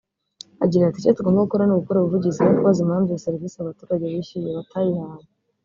Agira ati « Icyo tugomba gukora ni ugukora ubuvugizi no kubaza impamvu iyo serivisi abo baturage bishyuye batayihawe